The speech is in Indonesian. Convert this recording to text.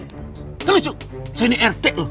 tidak lucu saya ini rt loh